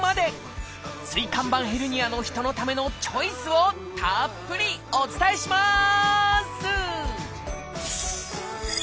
椎間板ヘルニアの人のためのチョイスをたっぷりお伝えします！